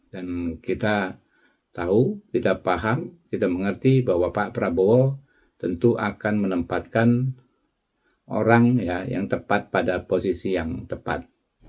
dan kita tahu kita paham kita mengerti bahwa pak prabowo tentu akan menempatkan orang yang tepat pada posisi yang tepat